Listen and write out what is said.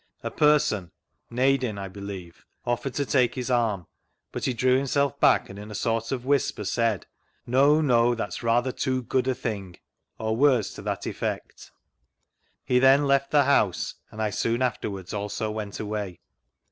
A person (Nadin, I believe) offered to take his arm, but he , drew himself back, and in a sort of whisper said :" No, no, that's rather too good a thing," or words to that effect. He then left the house, and I soon afterwards also went away.